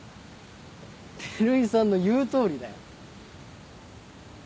照井さんの言うとおりだよ。